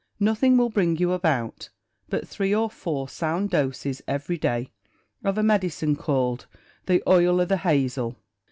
Nothing will bring you about but three or four sound doses every day of a medicine called 'the oil o' the hazel.'